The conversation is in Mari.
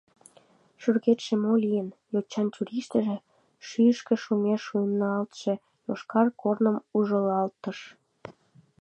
— Шӱргетше мо лийын? — йочан чурийыштыже шӱйышкӧ шумеш шуйналтше йошкар корным ужылалтыш.